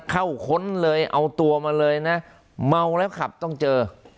ค้นเลยเอาตัวมาเลยนะเมาแล้วขับต้องเจอ